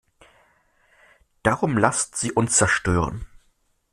Darum lasst sie uns zerstören!